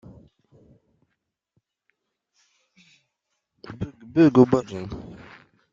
Il commence sa carrière militaire au régiment d'infanterie des Gardes françaises.